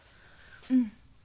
うん。